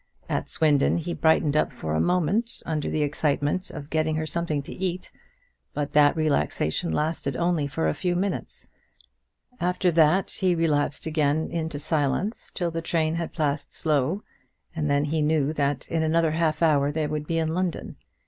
At Swindon he brightened up for a moment under the excitement of getting her something to eat, but that relaxation lasted only for a few minutes. After that he relapsed again into silence till the train had passed Slough, and he knew that in another half hour they would be in London.